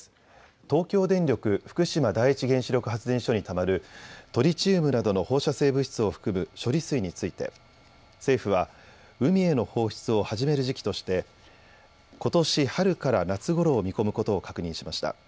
東京電力福島第一原子力発電所にたまるトリチウムなどの放射性物質を含む処理水について政府は海への放出を始める時期としてことし春から夏ごろを見込むことを確認しました。